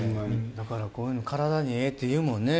だからこういうの体にええっていうもんね